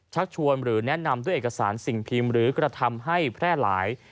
ชักชวนหรือแนะนำด้วยเอกสารสิ่งพิมพ์หรือกระทำให้แพร่หลาย